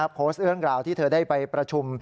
โพสต์เรื่องราวที่เธอได้ไปประชุม